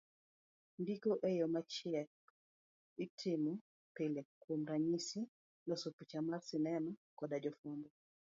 Ndiko e yo machiek itomo pile kuom ranyisi loso picha mar sinema koda jofuambo.